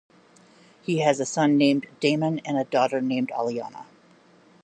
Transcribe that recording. He has a son named Damon and a daughter named Alianna.